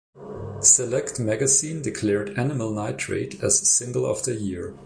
"Select" magazine declared "Animal Nitrate" as single of the year.